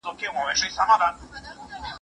سینټ اګوستین د دې دورې یو مشهور عالم و.